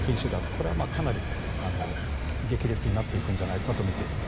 これはかなり激烈になっていくんじゃないかとみています。